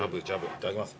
いただきます。